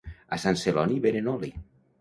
A Sant Celoni venen oli